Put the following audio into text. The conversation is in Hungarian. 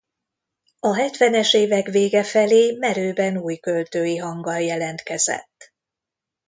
A hetvenes évek vége felé merőben új költői hanggal jelentkezett.